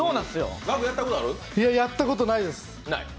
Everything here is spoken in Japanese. やったことないです。